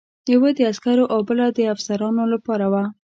یوه د عسکرو او بله د افسرانو لپاره وه.